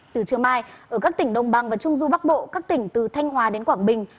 từ trưa mai ở các tỉnh đồng bằng và trung du bắc bộ các tỉnh từ thanh hòa đến quảng bình